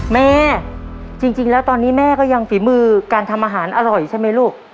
แม่จริงแล้วตอนนี้แม่ก็ยังฝีมือการทำอาหารอร่อยใช่ไหมลูก